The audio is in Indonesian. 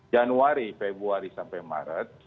januari februari sampai maret